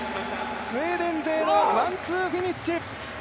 スウェーデン勢のワンツーフィニッシュ。